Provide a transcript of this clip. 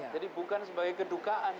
jadi bukan sebagai kedukaan